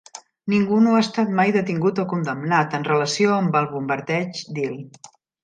Ningú no ha estat mai detingut o condemnat en relació amb el bombardeig Deal.